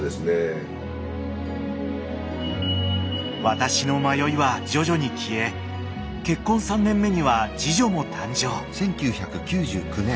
私の迷いは徐々に消え結婚３年目には次女も誕生こんにちは。